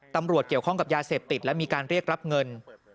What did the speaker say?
ตำรวจเกี่ยวข้องกับยาเสพติดและมีการเรียกรับเงิน